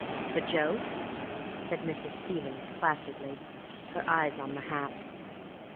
"For Joe?" said Mrs. Stevens placidly, her eye on the hat.